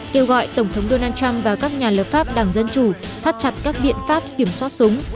kêu gọi tổng thống donald trump và các nhà lập pháp đảng dân chủ thắt chặt các biện pháp kiểm soát súng